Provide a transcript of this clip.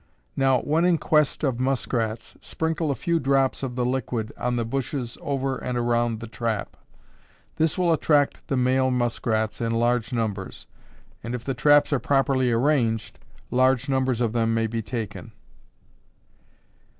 Now, when in quest of muskrats, sprinkle a few drops of the liquid on the bushes over and around the trap. This will attract the male muskrats in large numbers, and if the traps are properly arranged, large numbers of them may be taken.